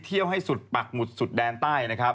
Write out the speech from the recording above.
เที่ยวให้สุดปักหมุดสุดแดนใต้